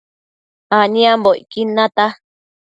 aniambocquid nata